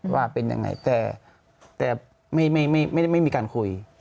ว่าเป็นยังไงแต่ไม่มีการคุย